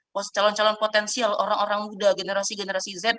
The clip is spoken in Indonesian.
pencalon potensial orang orang muda generasi generasi z